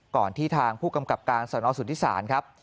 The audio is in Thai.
ที่ทางผู้กำกับการสนสุธิศาลครับ